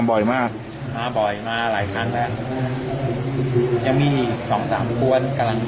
อ๋อร้อยหน้าได้จิบกับร้อย๑๕๐กับร้อยอะไรแพงกว่า